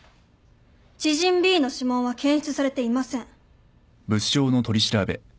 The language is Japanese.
知人Ｂの指紋は検出されていません。